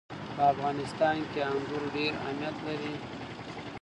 په افغانستان کې انګور ډېر اهمیت لري.